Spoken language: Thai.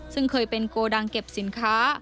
ซึ่งเคยเป็นโกดังเก็บสินค้า